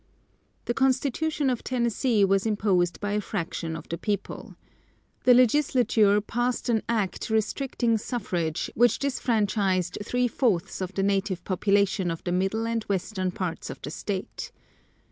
The constitution of Tennessee was imposed by a fraction of the people. The legislature passed an act restricting suffrage which disfranchised three fourths of the native population of the middle and western parts of the state.